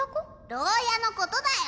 牢屋のことだよ。